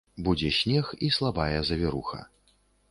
Будзе снег і слабая завіруха.